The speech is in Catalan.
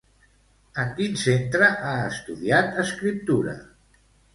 En quin centre ha estudiat escriptura?